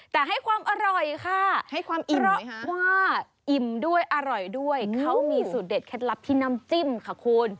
แต่ให้ความอร่อยค่ะเพราะว่าอิ่มด้วยอร่อยด้วยเขามีสุดเด็ดแค่รับที่น้ำจิ้มค่ะคุณ